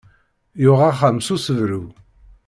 Yuɣ axxam s usebru.